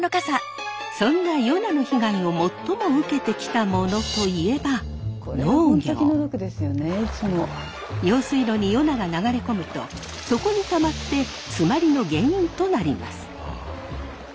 そんなヨナの被害を最も受けてきたものといえば用水路にヨナが流れ込むと底にたまって詰まりの原因となります。